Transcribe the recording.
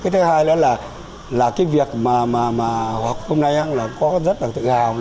thứ hai là việc hôm nay có rất tự hào